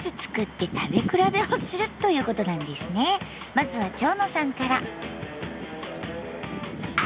まずは蝶野さんから。